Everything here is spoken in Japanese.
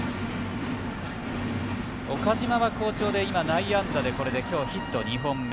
岡島は好調でこれで今日、ヒット２本目。